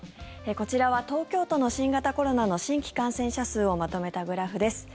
こちらは東京都の新型コロナの新規感染者数をまとめたグラフです。